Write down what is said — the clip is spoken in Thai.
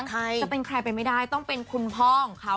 จะเป็นใครไปไม่ได้ต้องเป็นคุณพ่อของเขา